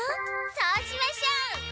そうしましょう！